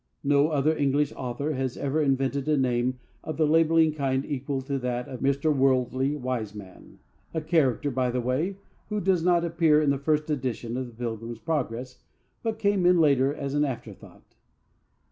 No other English author has ever invented a name of the labelling kind equal to that of Mr. Worldly Wiseman a character, by the way, who does not appear in the first edition of The Pilgrim's Progress, but came in later as an afterthought.